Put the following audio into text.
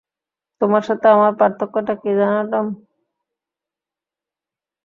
তোমার সাথে আমার পার্থক্যটা কী জানো টম?